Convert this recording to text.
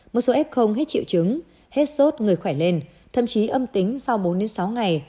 một số f hết triệu chứng hết sốt người khỏe lên thậm chí âm tính sau bốn sáu ngày